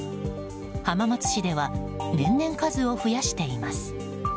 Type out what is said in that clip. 浜松市では、年々数を増やしています。